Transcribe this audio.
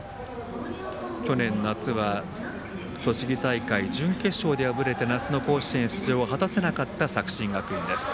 去年夏は栃木大会、準決勝で敗れて夏の甲子園出場を果たせなかった作新学院です。